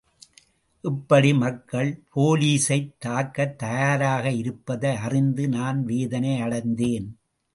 இப்படி மக்கள் போலீசைத் தாக்க தயாராக இருப்பதை அறிந்து நான் வேதனை அடைந்தேன்.